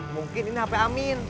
mungkin ini hp amin